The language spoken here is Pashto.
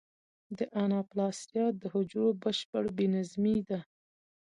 د اناپلاسیا د حجرو بشپړ بې نظمي ده.